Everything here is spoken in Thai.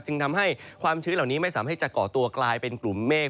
จึงทำให้ความชื้นเหล่านี้ไม่สามารถจะก่อตัวกลายเป็นกลุ่มเมฆ